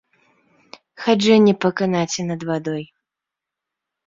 Хаджэнне па канаце над вадой.